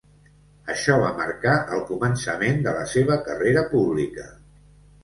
Això va marcar el començament de la seva carrera pública.